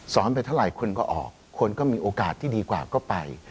ไปเท่าไหร่คนก็ออกคนก็มีโอกาสที่ดีกว่าก็ไป